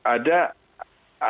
ada pendapat yang sangat penting